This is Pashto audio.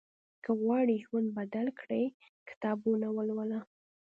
که غواړې ژوند بدل کړې، کتابونه ولوله.